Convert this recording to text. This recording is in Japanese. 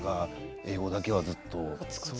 英語だけはずっと。